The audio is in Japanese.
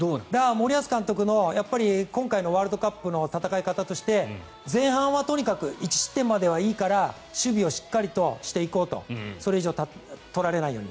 森保監督の、今回のワールドカップの戦い方として前半はとにかく１失点まではいいから守備をしっかりとしていこうとそれ以上取られないように。